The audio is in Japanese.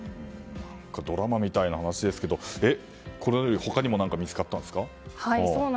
ドラマみたいな話ですけど他にも何か見つかったんですか？